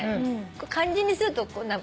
漢字にすると。